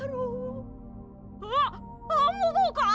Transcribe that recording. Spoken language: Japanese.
あっアンモ号か！？